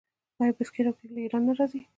آیا بسکیټ او کیک له ایران نه راځي؟